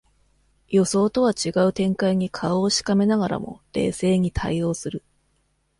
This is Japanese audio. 予想とは違う展開に顔をしかめながらも冷静に対応する